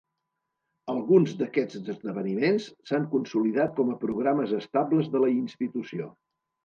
Alguns d'aquests esdeveniments s'han consolidat com a programes estables de la Institució.